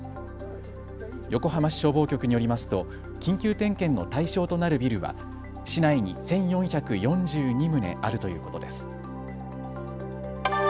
横浜市消防局によりますと緊急点検の対象となるビルは市内に１４４２棟あるということです。